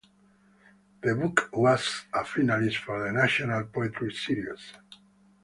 The book was a finalist for the National Poetry Series.